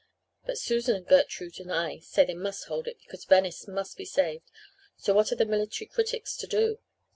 But Susan and Gertrude and I say they must hold it, because Venice must be saved, so what are the military critics to do?